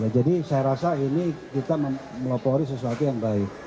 jadi saya rasa ini kita melopori sesuatu yang baik